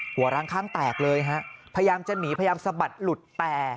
ร้างข้างแตกเลยฮะพยายามจะหนีพยายามสะบัดหลุดแต่